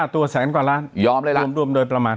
๕ตัวแสนกว่าล้านรวมโดยประมาณ